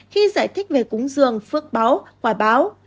khi giải thích về cúng dường phước báo quả báo